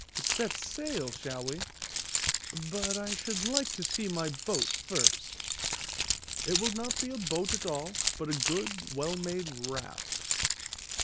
"Set sail, shall we? But I should like to see my boat first." "It will not be a boat at all, but a good, well made raft."